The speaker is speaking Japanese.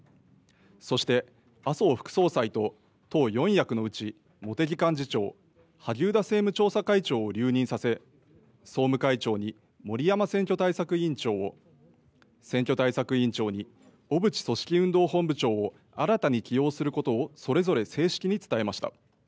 そして麻生副総裁と党４役のうち茂木幹事長、萩生田政務調査会長を留任させ総務会長に森山選挙対策委員長を、選挙対策委員長に小渕組織運動本部長を新たに起用することをそれぞれ正式に伝えました。